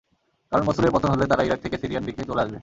কারণ, মসুলের পতন হলে তারা ইরাক থেকে সিরিয়ার দিকে চলে আসবে।